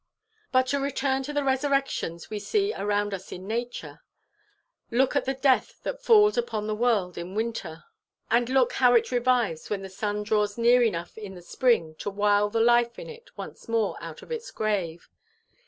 "But to return to the resurrections we see around us in nature. Look at the death that falls upon the world in winter. And look how it revives when the sun draws near enough in the spring to wile the life in it once more out of its grave.